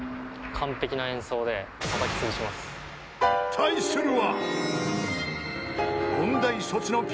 ［対するは］